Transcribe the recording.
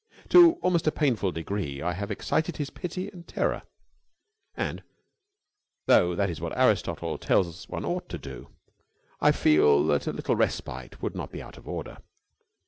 To almost a painful degree I have excited his pity and terror; and, though that is what Aristotle tells one ought to do, I feel that a little respite would not be out of order.